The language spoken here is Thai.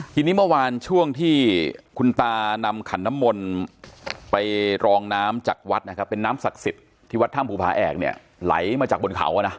ทีนี้เมื่อวานช่วงที่คุณตานำขันน้ำมนต์ไปรองน้ำจากวัดนะครับเป็นน้ำศักดิ์สิทธิ์ที่วัดถ้ำภูผาแอกเนี่ยไหลมาจากบนเขาอ่ะนะ